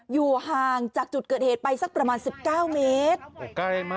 อยู่ห่างจากจุดเกิดเหตุไปสักประมาณ๑๙เมตร